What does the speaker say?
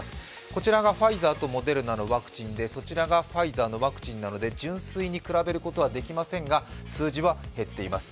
左がファイザーとモデルナのワクチンでそちらがファイザーのワクチンなので純粋に比べることはできませんが数字は減っています。